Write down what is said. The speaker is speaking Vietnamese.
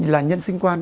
là nhân sinh quan